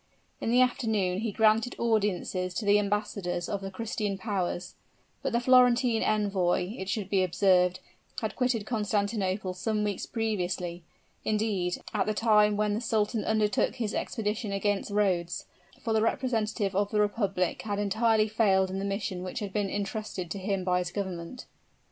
In the afternoon he granted audiences to the embassadors of the Christian powers; but the Florentine envoy, it should be observed, had quitted Constantinople some weeks previously indeed, at the time when the sultan undertook his expedition against Rhodes; for the representative of the republic had entirely failed in the mission which had been intrusted to him by his government.